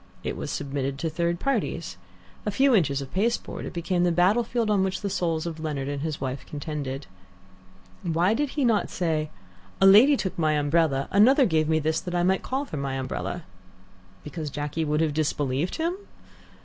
It was submitted to third parties. A few inches of pasteboard, it became the battlefield on which the souls of Leonard and his wife contended. Why did he not say, "A lady took my umbrella, another gave me this that I might call for my umbrella"? Because Jacky would have disbelieved him?